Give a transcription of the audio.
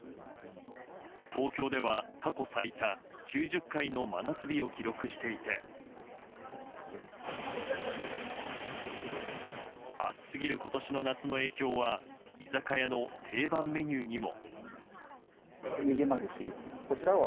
東京では過去最多９０回の真夏日を記録していて暑すぎる今年の夏の影響は居酒屋の定番メニューにも。